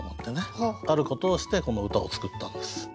あることをしてこの歌を作ったんです。